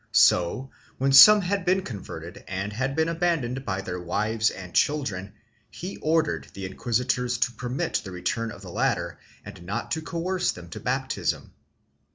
So, when some had been converted and had been abandoned by their wives and children, he ordered the inquisitors to permit the return of the latter and not to coerce them to baptism.